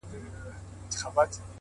خپل وخت په موخه مصرف کړئ؛